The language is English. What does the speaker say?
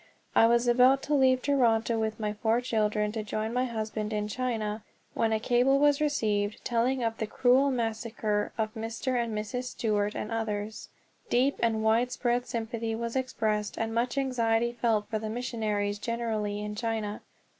I was about to leave Toronto with my four children to join my husband in China, when a cable was received telling of the cruel massacre of Mr. and Mrs. Stewart and others. Deep and widespread sympathy was expressed and much anxiety felt for missionaries generally in China.